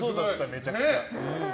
めちゃくちゃ。